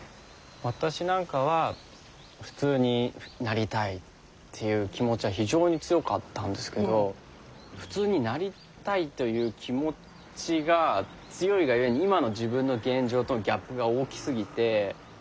私なんかは普通になりたいっていう気持ちは非常に強かったんですけど普通になりたいという気持ちが強いがゆえに今の自分の現状とのギャップが大きすぎて動けなくなっちゃうんですよね。